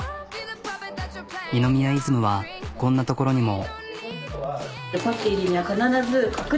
二宮イズムはこんなところにも。